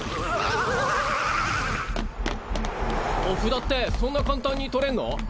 お札ってそんな簡単に取れんの？